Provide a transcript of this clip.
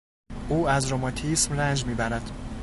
او از رماتیسم رنج میبرد.